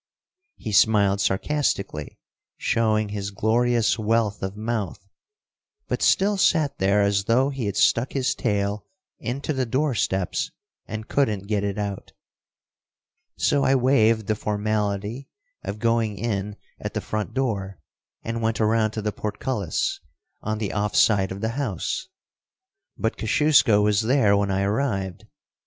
He smiled sarcastically, showing his glorious wealth of mouth, but still sat there as though he had stuck his tail into the door steps and couldn't get it out. So I waived the formality of going in at the front door, and went around to the portcullis, on the off side of the house, but Kosciusko was there when I arrived.